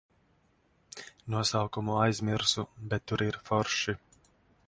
Nosaukumu aizmirsu, bet tur ir forši.